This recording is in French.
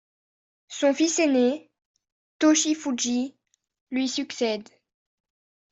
Son fils ainé, Toshifuji, lui succède.